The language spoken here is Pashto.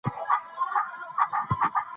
جبار: چا وهلى؟ صمد خو مېږي ته زر نه رسېده.